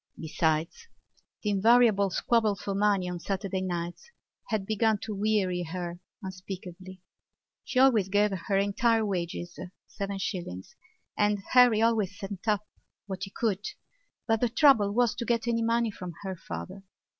Besides, the invariable squabble for money on Saturday nights had begun to weary her unspeakably. She always gave her entire wages—seven shillings—and Harry always sent up what he could but the trouble was to get any money from her father.